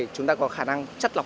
chúng ta có khả năng chất lọc